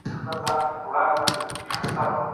يوه نجلۍ عائشې رضي الله عنها ته راغله او ورته وئې وويل.